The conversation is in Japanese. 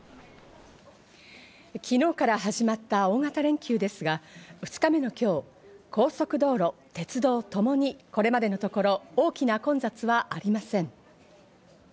昨日から始まった大型連休ですが、２日目の今日、高速道路、鉄道ともにこれまでのところ大きな混雑はありません。